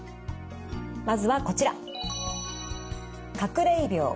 まずはこちら。